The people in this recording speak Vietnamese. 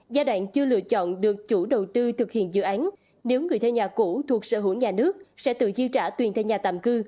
giai đoạn chưa lựa chọn được chủ đầu tư thực hiện dự án nếu người thuê nhà cũ thuộc sở hữu nhà nước sẽ tự dư trả tiền thuê nhà tạm cư